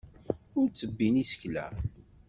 Ur ttebbin isekla.